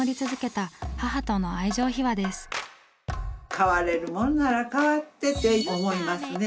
代われるもんなら代わってって思いますね。